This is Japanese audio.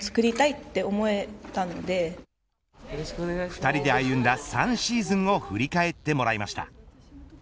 ２人で歩んだ３シーズンを振り返ってもらいました。